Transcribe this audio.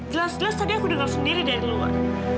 jelas jelas tadi aku dengar sendiri dari luar